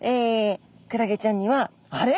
クラゲちゃんにはあれ？